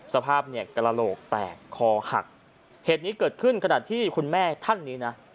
สภาพเนี่ยกระโหลกแตกคอหักเหตุนี้เกิดขึ้นขณะที่คุณแม่ท่านนี้นะ